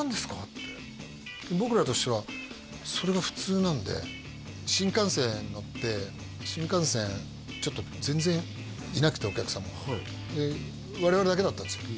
って僕らとしてはそれが普通なんで新幹線乗って新幹線ちょっと全然いなくてお客さんが我々だけだったんですよ